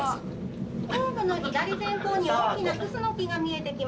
後部の左前方に大きなクスノキが見えてきます。